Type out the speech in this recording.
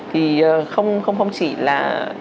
thì không chỉ là